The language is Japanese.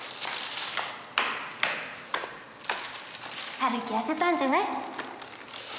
ハルキ痩せたんじゃない？